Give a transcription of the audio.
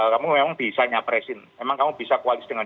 kamu memang bisa nyapresin emang kamu bisa koalisi dengan